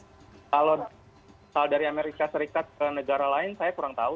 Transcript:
kalau dari amerika serikat ke negara lain saya kurang tahu